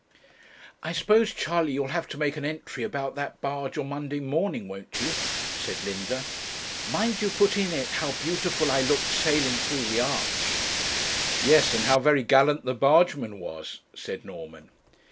'I suppose, Charley, you'll have to make an entry about that barge on Monday morning, won't you?' said Linda. 'Mind you put in it how beautiful I looked sailing through the arch.' 'Yes, and how very gallant the bargeman was,' said Norman.